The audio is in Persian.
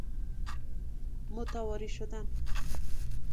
متواری شدن